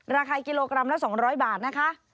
ราคากิโลกรัมละ๒๐๐บาทนะคะ